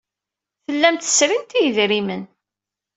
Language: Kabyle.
Tellamt tesrimt i yedrimen.